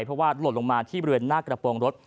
เพราะว่าหล่นลงมาที่บริเวณหน้ากระโปรงรถ